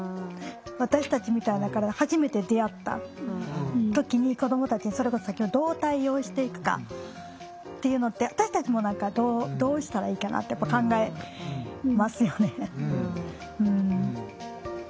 私たちみたいな体初めて出会った時に子どもたちにそれこそどう対応していくかっていうのって私たちも何かどうしたらいいかなってやっぱ考えますよね。